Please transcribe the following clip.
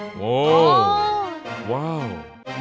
โอ้โหว้าว